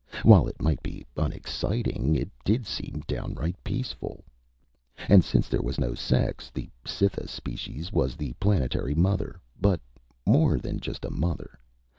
While it might be unexciting, it did seem downright peaceful. And since there was no sex, the Cytha species was the planetary mother but more than just a mother.